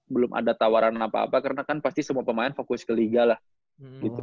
belum ada tawaran apa apa karena kan pasti semua pemain fokus ke liga lah gitu